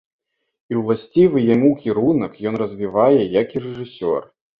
І ўласцівы яму кірунак ён развівае як і рэжысёр.